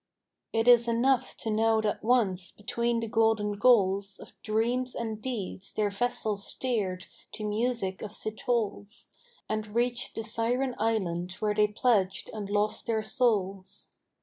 It is enough to know that once between the golden goals Of dreams and deeds their vessel steered to music of citoles, And reached the Siren island where they pledged and lost their souls.